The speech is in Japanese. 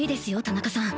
田中さん